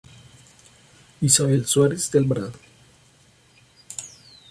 Isabel Suárez de Alvarado.